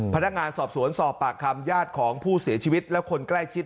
พนักงานสอบสวนสอบปากคำญาติของผู้เสียชีวิตและคนใกล้ชิด